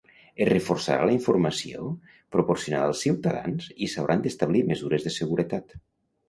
Es reforçarà la informació proporcionada als ciutadans i s'hauran d'establir mesures de seguretat.